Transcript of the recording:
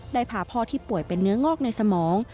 พาพ่อที่ป่วยเป็นเนื้องอกในสมอง